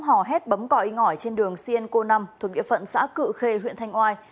hò hét bấm còi ngỏi trên đường sien co năm thuộc địa phận xã cự khê huyện thanh oai